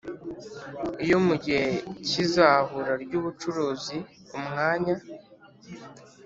Iyo mu gihe cy izahura ry ubucuruzi umwanya